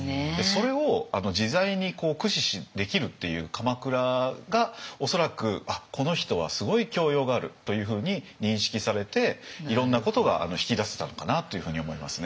それを自在に駆使できるっていう鎌倉が恐らく「あっこの人はすごい教養がある」というふうに認識されていろんなことが引き出せたのかなというふうに思いますね。